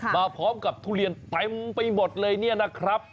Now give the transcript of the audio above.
มาพร้อมกับทุเรียนเต็มไปหมดเลยเนี่ยนะครับ